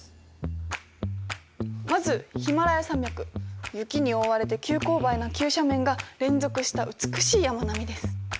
まず雪に覆われて急勾配な急斜面が連続した美しい山並みです。